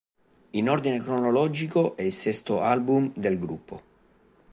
In ordine cronologico è il sesto album del gruppo.